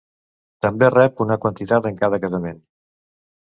També rep una quantitat en cada casament.